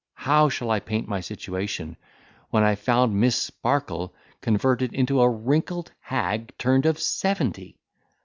how shall I paint my situation, when I found Miss Sparkle converted into a wrinkled hag turned of seventy!